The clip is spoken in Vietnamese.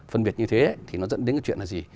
phân biệt như thế thì nó dẫn đến cái chuyện là gì